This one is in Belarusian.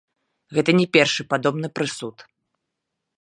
Гэта не першы падобны прысуд.